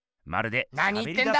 なに言ってんだ！